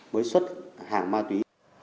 mới xuất hàng ma túy